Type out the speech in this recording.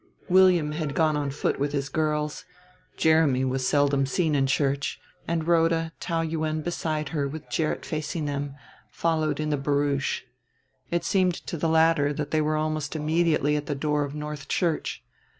William had gone on foot with his girls, Jeremy was seldom in church, and Rhoda, Taou Yuen beside her with Gerrit facing them, followed in the barouche. It seemed to the latter that they were almost immediately at the door of North Church.